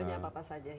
contohnya apa saja yang